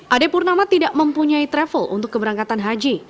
ade purnama tidak mempunyai travel untuk keberangkatan haji